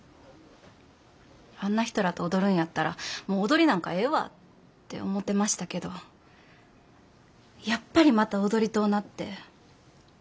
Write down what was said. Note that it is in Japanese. あんな人らと踊るんやったらもう踊りなんかええわって思うてましたけどやっぱりまた踊りとうなって。